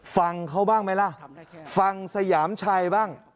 ฟังเขาบ้างไหมล่ะฟังสยามชัยบ้าง